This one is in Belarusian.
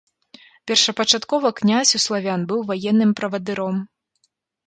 Першапачаткова князь у славян быў ваенным правадыром.